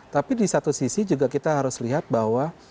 tapi di satu sisi juga kita harus lihat bahwa